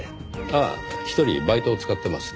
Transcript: ああ１人バイトを使ってます。